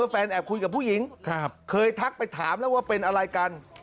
แฟนแอบคุยกับผู้หญิงเคยทักไปถามแล้วว่าเป็นอะไรกัน